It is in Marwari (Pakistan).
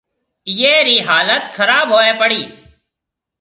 اِيئي رِي حالت خراب هوئي پڙِي۔